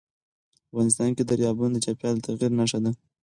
افغانستان کې دریابونه د چاپېریال د تغیر نښه ده.